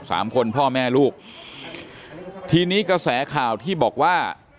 สามคนพ่อแม่ลูกทีนี้กระแสข่าวที่บอกว่า